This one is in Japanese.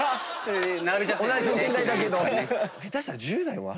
下手したら１０代も。